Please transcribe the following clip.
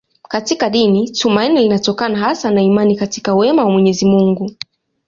Katika dini tumaini linatokana hasa na imani katika wema wa Mwenyezi Mungu.